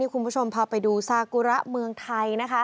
คุณผู้ชมพาไปดูซากุระเมืองไทยนะคะ